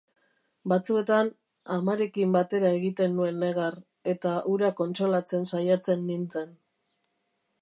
Batzuetan, amarekin batera egiten nuen negar, eta hura kontsolatzen saiatzen nintzen.